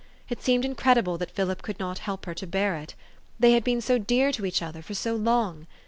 It seemed incredible that Philip could not help her to bear it. They had been so dear to each other for so long